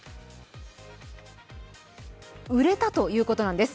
売れたということなんです。